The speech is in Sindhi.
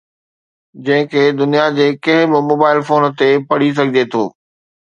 جنهن کي دنيا جي ڪنهن به موبائيل فون تي پڙهي سگهجي ٿو